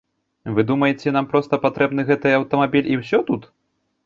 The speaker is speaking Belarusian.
Вы думаеце, нам проста патрэбны гэты аўтамабіль і ўсе тут?